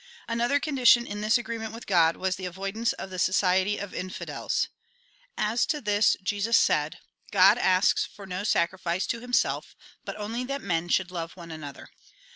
Another condition in this agreement with God, was the avoidance of the society of infidels. As 170 A RECAPITULATION 171 to this, Jesus said :" God asks for no sacrifice to Himself, but only that men should love one another."